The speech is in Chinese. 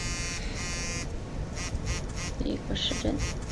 施瓦尔曹谷地施瓦尔曹是奥地利施蒂利亚州费尔德巴赫县的一个市镇。